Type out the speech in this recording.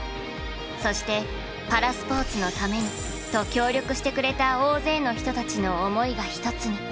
そしてパラスポーツのためにと協力してくれた大勢の人たちの思いが一つに。